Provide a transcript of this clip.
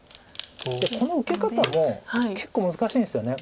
でこの受け方も結構難しいんですよね。